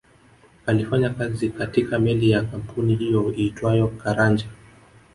Alifanya kazi katika meli ya kampuni hiyo iitwayo Caranja